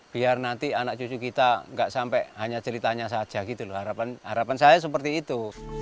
biar nanti anak cucu kita nggak sampai hanya ceritanya saja gitu loh harapan saya seperti itu